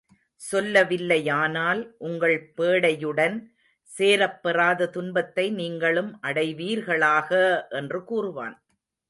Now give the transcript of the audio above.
சொல்ல வில்லையானால் உங்கள் பேடையுடன் சேரப்பெறாத துன்பத்தை நீங்களும் அடைவீர்களாக! என்று கூறுவான்.